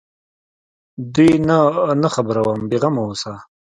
دوى نه خبروم بې غمه اوسه.